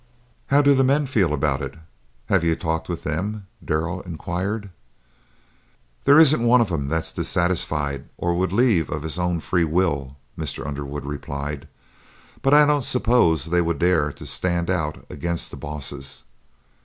"How do the men feel about it? Have you talked with them?" Darrell inquired. "There isn't one of them that's dissatisfied or would leave of his own free will," Mr. Underwood replied, "but I don't suppose they would dare to stand out against the bosses.